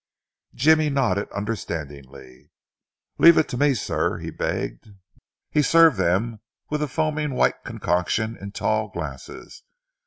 Jimmy nodded understandingly. "Leave it to me, sir," he begged. He served them with a foaming white concoction in tall glasses.